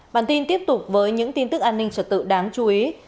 bản tin tiếp tục với những tin tức an ninh trật tự đáng chú ý